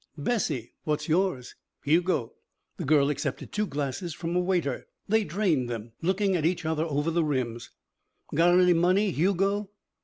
"Bessie. What's yours?" "Hugo." The girl accepted two glasses from a waiter. They drained them, looking at each other over the rims. "Got any money, Hugo?"